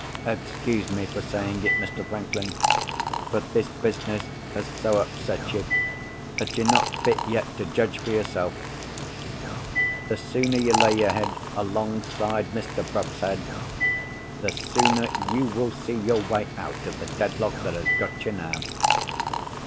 Excuse me for saying it, Mr. Franklin, but this business has so upset you, that you're not fit yet to judge for yourself. The sooner you lay your head alongside Mr. Bruff's head, the sooner you will see your way out of the dead lock that has got you now."